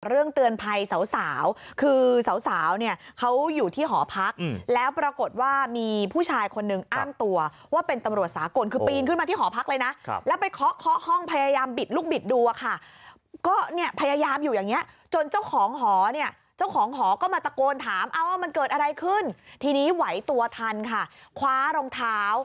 เรื่องเตือนภัยสาวคือสาวเนี่ยเขาอยู่ที่หอพักแล้วปรากฏว่ามีผู้ชายคนนึงอ้างตัวว่าเป็นตำรวจสากลคือปีนขึ้นมาที่หอพักเลยนะแล้วไปเคาะเคาะห้องพยายามบิดลูกบิดดูอะค่ะก็เนี่ยพยายามอยู่อย่างเงี้ยจนเจ้าของหอเนี่ยเจ้าของหอก็มาตะโกนถามเอาว่ามันเกิดอะไรขึ้นทีนี้ไหวตัวทันค่ะคว้ารองเท้า